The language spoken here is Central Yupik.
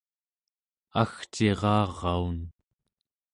agciraraun